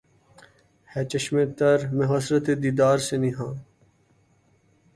ھے چشم تر میں حسرت دیدار سے نہاں